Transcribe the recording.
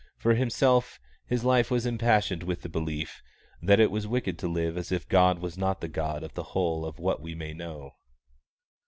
For himself, his life was impassioned with the belief that it was wicked to live as if God was not the God of the whole of what we may know.